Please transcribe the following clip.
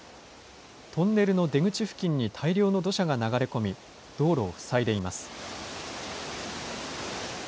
トンネルの出口付近に大量の土砂が流れ込み、道路を塞いでいます。